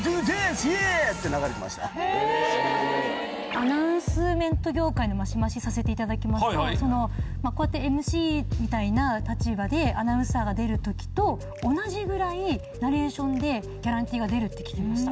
アナウンスメント業界のマシマシさせていただきますとこうやってＭＣみたいな立場でアナウンサーが出る時と同じぐらいナレーションでギャランティーが出るって聞きました。